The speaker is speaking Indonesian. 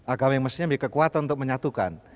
agama yang mestinya memiliki kekuatan untuk menyatukan